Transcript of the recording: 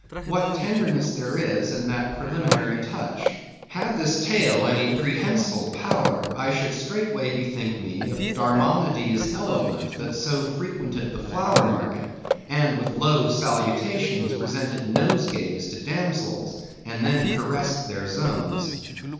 What tenderness there is in that preliminary touch! Had this tail any prehensile power, I should straightway bethink me of Darmonodes' elephant that so frequented the flower market, and with low salutations presented nosegays to damsels, and then caressed their zones.